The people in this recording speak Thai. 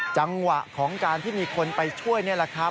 จังหวะของการที่มีคนไปช่วยนี่แหละครับ